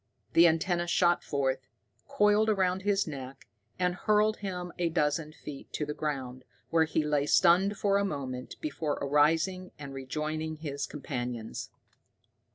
The antenna shot forth, coiled around his neck, and hurled him a dozen feet to the ground, where he lay stunned for a moment before arising and rejoining his companions.